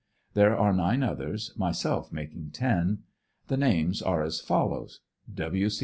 There are nine others, myself making ten. The names are as follows : W. C.